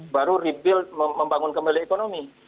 baru rebuild membangun kembali ekonomi